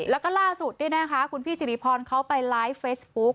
แล้วก็ล่าสุดคุณพี่สิริพรเขาไปไลฟ์เฟซบุ๊ค